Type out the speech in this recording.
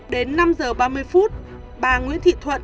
đến năm giờ ba mươi phút bà nguyễn thị thuận